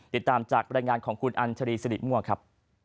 ติดตามจากรายงานของคุณอัญชรีศริมวกรรมครับ